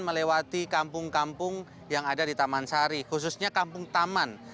melewati kampung kampung yang ada di taman sari khususnya kampung taman